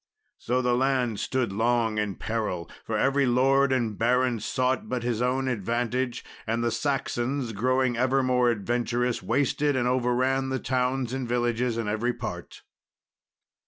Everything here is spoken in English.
So the land stood long in great peril, for every lord and baron sought but his own advantage; and the Saxons, growing ever more adventurous, wasted and overran the towns and villages in every part.